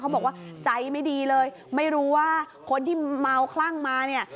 บอกว่าใจไม่ดีเลยไม่รู้ว่าคนที่เมาคลั่งมาเนี่ย